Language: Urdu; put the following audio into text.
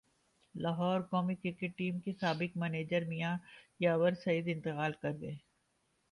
لاہورقومی کرکٹ ٹیم کے سابق مینجر میاں یاور سعید انتقال کرگئے